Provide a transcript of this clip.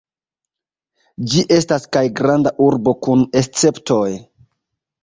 Ĝi estas kaj Granda Urbo kun Esceptoj.